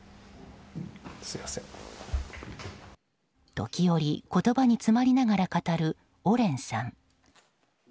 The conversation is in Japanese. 時折、言葉に詰まりながら語るオレンさん。